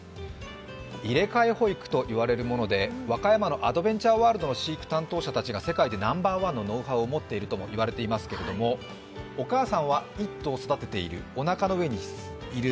入れ替え保育といわれるもので、和歌山のアドベンチャーワールドの飼育員が世界でナンバーワンのノウハウを持っているとも言われていますけれどもお母さんは１頭育てているおなかの上にいる。